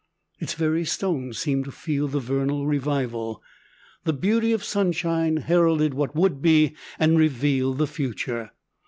Its very stones seemed to feel the vernal revival. The beauty of sunshine heralded what would be, and revealed the future.